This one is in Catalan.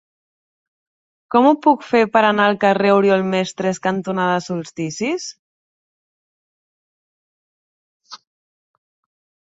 Com ho puc fer per anar al carrer Oriol Mestres cantonada Solsticis?